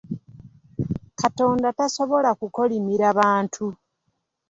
Katonda tasobola kukolimira bantu.